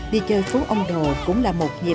đi chơi phố âm đồ cũng là một nét văn hóa